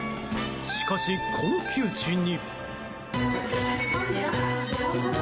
しかし、この窮地に。